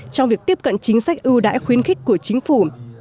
trong việc tiếp cận chính sách ưu đãi khuyến khích của chính phủ